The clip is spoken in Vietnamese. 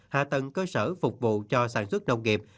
hạ tầng cơ sở phục vụ cho sản xuất nông nghiệp